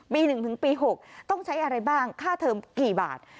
๑ถึงปี๖ต้องใช้อะไรบ้างค่าเทอมกี่บาท